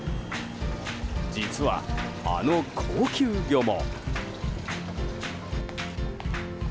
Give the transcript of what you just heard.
実は、あの高級魚も。